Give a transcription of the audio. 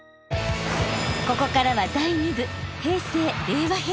ここからは第２部平成・令和編。